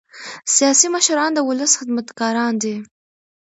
سیاسي مشران د ولس خدمتګاران دي